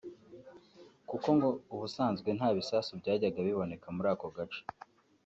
kuko ngo ubusanzwe nta bisasu byajyaga biboneka muri ako gace